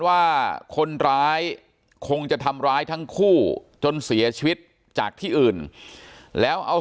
ว่าคนร้ายคงจะทำร้ายทั้งคู่จนเสียชีวิตจากที่อื่นแล้วเอา